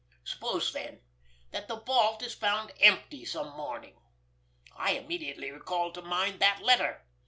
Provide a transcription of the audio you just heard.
Suppose, then, that the vault is found empty some morning? I immediately recall to mind that letter.